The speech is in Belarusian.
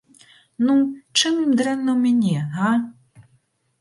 Ну, чым ім дрэнна ў мяне, га?